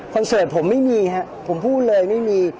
เสิร์ตผมไม่มีครับผมพูดเลยไม่มี